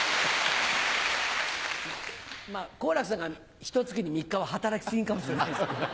好楽さんがひと月に３日は働き過ぎかもしれないですね。